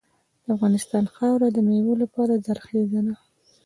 د افغانستان خاوره د میوو لپاره زرخیزه ده.